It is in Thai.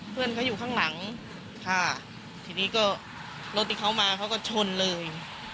เพื่อนเขาอยู่ข้างหลังพี่นี้รถเขามาเขาก็ชนเลย